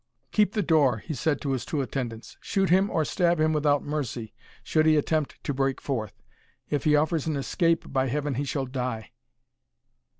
"Keep the door," he said to his two attendants; "shoot him or stab him without mercy, should he attempt to break forth; if he offers an escape, by Heaven he shall die!"